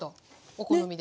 お好みで。